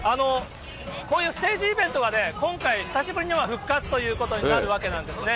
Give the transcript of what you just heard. こういうステージイベントはね、今回、久しぶりには復活ということになるわけですね。